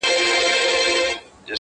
تباه كړي مي څو شلي كندوگان دي!!